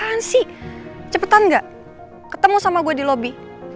apaan sih cepetan gak ketemu sama gue di lobby